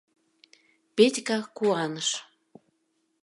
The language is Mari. — Петька куаныш.